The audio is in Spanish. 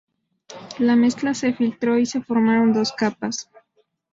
La mezcla se filtró y se formaron dos capas.